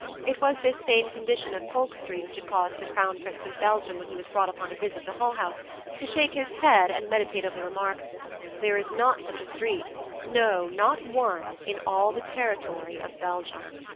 It was this same condition of Polk Street which had caused the crown prince of Belgium when he was brought upon a visit to Hull House to shake his head and meditatively remark, "There is not such a street no, not one in all the territory of Belgium."